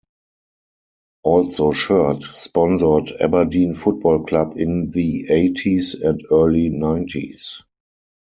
Also shirt sponsored Aberdeen Football Club in the eighties and early nineties.